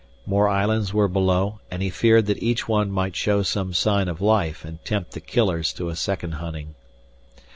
More islands were below, and he feared that each one might show some sign of life and tempt the killers to a second hunting.